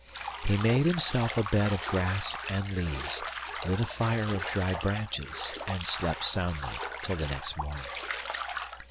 He made himself a bed of grass and leaves, lit a fire of dry branches, and slept soundly till the next morning.